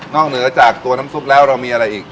เหนือจากตัวน้ำซุปแล้วเรามีอะไรอีก